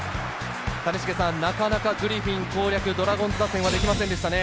谷繁さん、なかなかグリフィン攻略、ドラゴンズ打線はできませんでしたね。